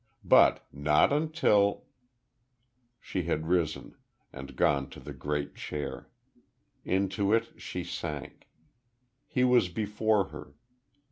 But not until " She had risen, and gone to the great chair. Into it she sank. He was before her....